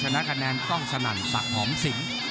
ชนะคะแนนกล้องสนั่นศักดิ์หอมสิน